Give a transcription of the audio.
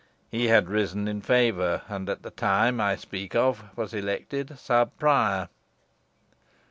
He had risen in favour, and at the time I speak of was elected sub prior."